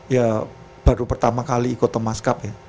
ya baru pertama kali ikut thomas cup ya